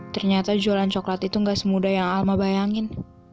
ternyata jualan coklat itu gak semudah yang alma bayangin